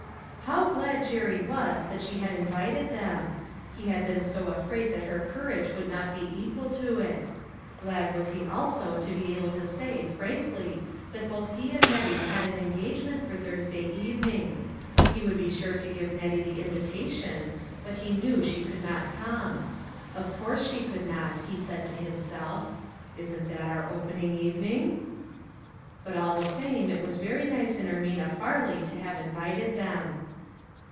How glad Jerry was that she had invited them! He had been so afraid that her courage would not be equal to it. Glad was he also to be able to say, frankly, that both he and Nettie had an engagement for Thursday evening ; he would be sure to give Nettie the invitation, but he knew she could not come. Of course she could not, he said to himself; "Isn't that our opening evening?" But all the same it was very nice in Ermina Farley to have invited them.